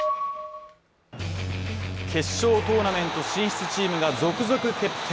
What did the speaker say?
決勝トーナメント進出チームが続々決定。